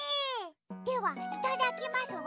ではいただきますわ。